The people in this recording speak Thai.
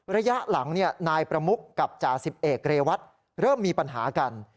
ระยะหลังนายประมุกกับจ่าสิบเอกเรวัตเริ่มมีปัญหากัน